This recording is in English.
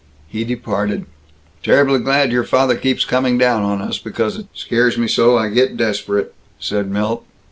He departed. "Terribly glad your father keeps coming down on us, because it scares me so I get desperate," said Milt.